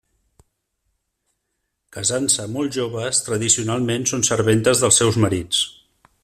Casant-se molt joves, tradicionalment són serventes dels seus marits.